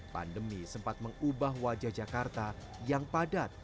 pandemi sempat mengubah wajah jakarta yang padat